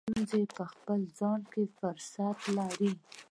هره ستونزه په خپل ځان کې فرصت لري.